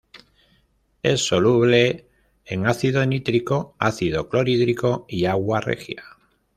Es soluble en ácido nítrico, ácido clorhídrico y agua regia.